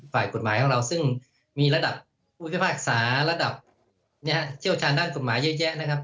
ฝ่ายกฎหมายของเราซึ่งมีระดับผู้พิพากษาระดับเชี่ยวชาญด้านกฎหมายเยอะแยะนะครับ